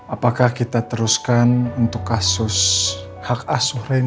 apakah kita teruskan untuk kasus hak asuh reyna